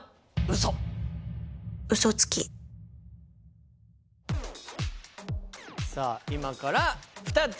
嘘つきさあ今から２つ